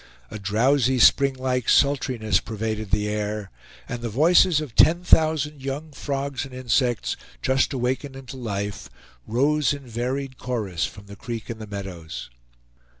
A drowzy springlike sultriness pervaded the air, and the voices of ten thousand young frogs and insects, just awakened into life, rose in varied chorus from the creek and the meadows.